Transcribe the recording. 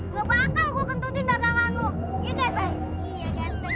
gue bakal kentutin dagangan lo